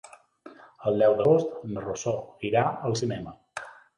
El deu d'agost na Rosó irà al cinema.